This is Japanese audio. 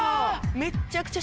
めっちゃくちゃ。